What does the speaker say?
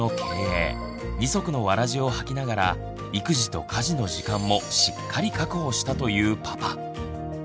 ２足のわらじをはきながら育児と家事の時間もしっかり確保したというパパ。